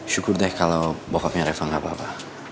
syukur deh kalau bokapnya reva nggak apa apa